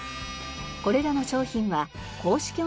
これらの商品は公式